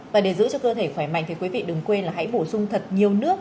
và để giữ cho cơ thể khỏe mạnh thì quý vị đừng quên là hãy bổ sung thật nhiều nước